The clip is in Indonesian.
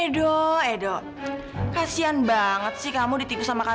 terima kasih tante